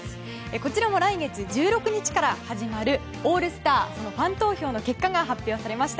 こちらも来月１６日から始まるオールスター、ファン投票の結果が発表されました。